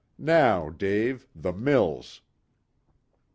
Now, Dave, the mills!"